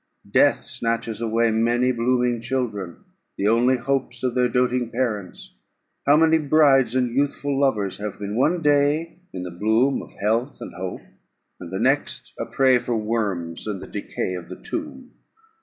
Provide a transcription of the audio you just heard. Death snatches away many blooming children, the only hopes of their doating parents: how many brides and youthful lovers have been one day in the bloom of health and hope, and the next a prey for worms and the decay of the tomb!